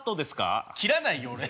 切らないよ俺。